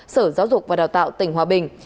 sở giáo dục và đào tạo tỉnh hòa bình